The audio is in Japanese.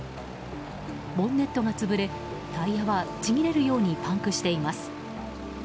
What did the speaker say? ボンネットが潰れタイヤはちぎれるようにパンクしています。